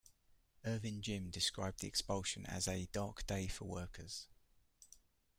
Irvin Jim described the expulsion as "a dark day for workers".